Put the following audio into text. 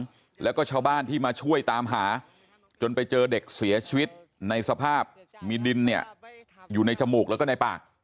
แล้วก็ชาวบ้านที่มาช่วยตามหาจนไปเจอเด็กเสียชีวิตในสภาพมีดินเนี่ยอยู่ในจมูกแล้วก็ในปาก